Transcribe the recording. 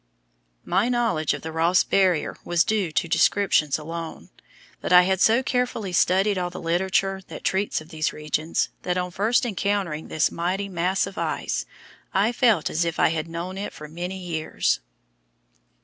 My knowledge of the Ross Barrier was due to descriptions alone; but I had so carefully studied all the literature that treats of these regions, that, on first encountering this mighty mass of ice, I felt as if I had known it for many years.